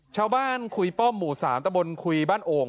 โชว์บ้านคุยป้อมหมู๓ตระบลคุยบ้านองค์